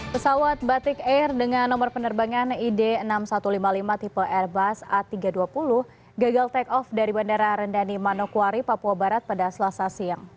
pesawat batik air dengan nomor penerbangan id enam ribu satu ratus lima puluh lima tipe airbus a tiga ratus dua puluh gagal take off dari bandara rendani manokwari papua barat pada selasa siang